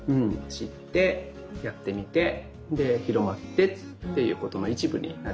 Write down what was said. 知ってやってみて広まってっていうことの一部になれたら。